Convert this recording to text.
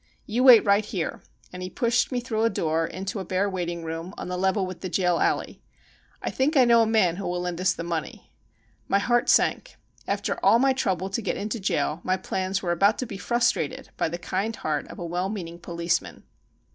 You wait right here" — and he pushed me through a door into a bare waiting room on the level with the jail alley — "I think I know a man who will lend us the money.' My heart sank. After all my trouble to get into jail, my plans were about to be frustrated by the kind heart of a well meaning policeman